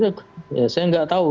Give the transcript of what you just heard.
saya nggak tahu